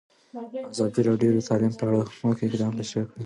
ازادي راډیو د تعلیم په اړه د حکومت اقدامات تشریح کړي.